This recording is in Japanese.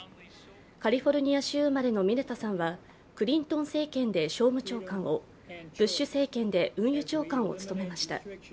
カリフォルニア州生まれのミネタさんはクリントン政権で商務長官を、ブッシュ政権で運輸長官を務めました。